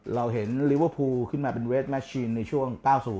เราเห็นลิเวอร์พูลขึ้นมาเป็นเวทแมชชีนในช่วง๙๐